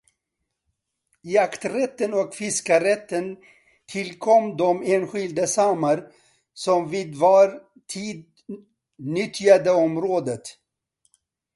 Jakträtten och fiskerätten tillkom de enskilda samer som vid var tid nyttjade området.